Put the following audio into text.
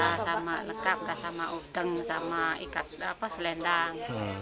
ya sama lekap sama udang sama ikat selendang